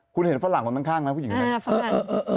คุณเห็นฝรั่งตรงด้านข้างนะผู้หญิงไทยฝรั่ง